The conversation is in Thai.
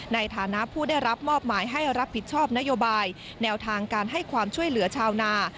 ในฐานะผู้ได้รับมอบหมายให้รับผิดชอบนโยบายแนวทางการให้ความช่วยเหลือชาวนา